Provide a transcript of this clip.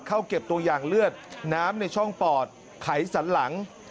เข้าเก็บตัวอย่างเลือดน้ำในช่องปอดไขสันหลัง